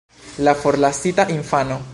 La forlasita infano.